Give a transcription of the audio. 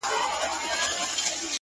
o یو ډارونکی. ورانونکی شی خو هم نه دی.